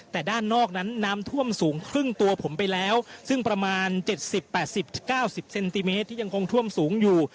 แต่ด้านนอกนั้นน้ำท่วมสูงครึ่งตัวผมไปแล้วซึ่งประมาณเจ็ดสิบแปดสิบเก้าสิบเซนติเมตรที่ยังคงท่วมสูงอยู่